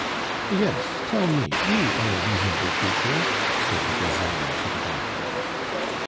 "Yes, tell me, you are a reasonable creature " said the Brazilian to the banker.